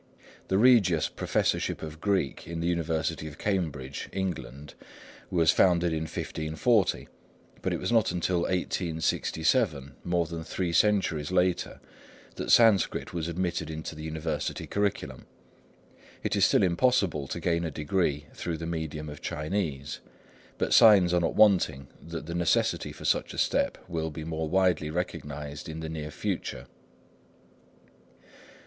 The Regius Professorship of Greek in the University of Cambridge, England, was founded in 1540; but it was not until 1867, more than three centuries later, that Sanskrit was admitted into the university curriculum. It is still impossible to gain a degree through the medium of Chinese, but signs are not wanting that the necessity for such a step will be more widely recognised in the near future.